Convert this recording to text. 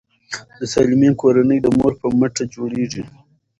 د سالمې کورنۍ د مور په مټه جوړیږي.